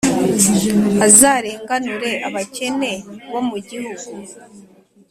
azarenganure abakene bo mu gihugu.